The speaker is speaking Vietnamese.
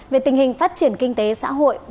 về tình hình phát triển kinh tế xã hội